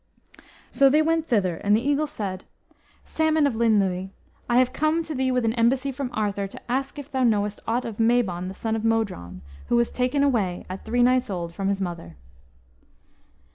So they went thither; and the Eagle said, "Salmon of Llyn Llyw, I have come to thee with an embassy from Arthur, to ask thee if thou knowest aught of Mabon, the son of Modron, who was taken away at three nights old from his mother."